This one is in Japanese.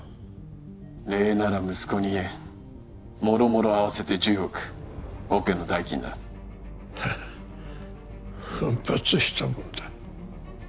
礼なら息子に言えもろもろ合わせて１０億オペの代金だハッ奮発したもんだ